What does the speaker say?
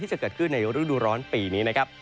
จะเกิดขึ้นในฤดูร้อนปีนี้นะครับ